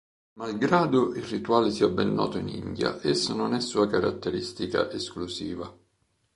Malgrado il rituale sia ben noto in India, esso non è sua caratteristica esclusiva.